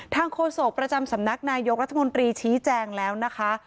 โฆษกประจำสำนักนายกรัฐมนตรีชี้แจงแล้วนะคะ